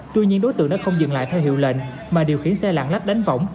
tuy nhiên đối tượng đã không dừng lại theo hiệu lệnh mà điều khiển xe lạng lách đánh võng